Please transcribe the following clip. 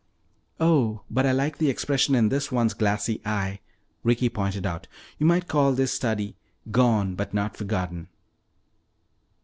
"Oh, but I like the expression in this one's glassy eye," Ricky pointed out. "You might call this study 'Gone But Not Forgotten.'"